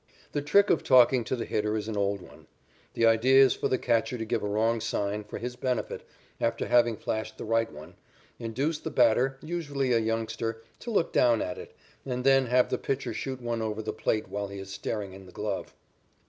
The trick of talking to the hitter is an old one. The idea is for the catcher to give a wrong sign, for his benefit, after having flashed the right one, induce the batter, usually a youngster, to look down at it, and then have the pitcher shoot one over the plate while he is staring in the glove.